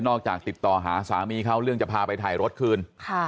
นอกจากติดต่อหาสามีเขาเรื่องจะพาไปถ่ายรถขึ้น